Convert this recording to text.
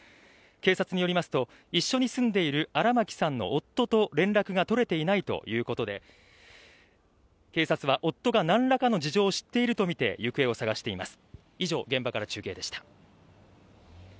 警察によりますと、一緒に住んでいる荒牧さんの夫と連絡が取れていないということで警察は夫が何らかの事情を知っていると見て行方を捜しています。